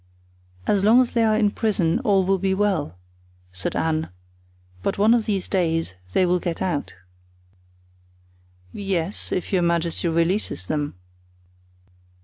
"As long as they are in prison all will be well," said Anne, "but one of these days they will get out." "Yes, if your majesty releases them."